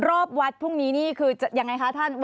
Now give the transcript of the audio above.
รอบวัดพรุ่งนี้นี่คือจะยังไงคะท่าน